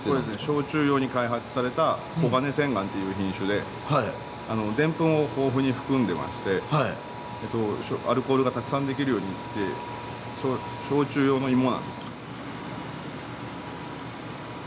焼酎用に開発されたコガネセンガンっていう品種でデンプンを豊富に含んでましてアルコールがたくさんできるようにって焼酎用の芋なんです。